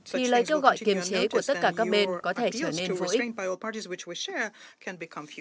thì lời kêu gọi kiềm chế của tất cả các bên có thể trở nên vô ích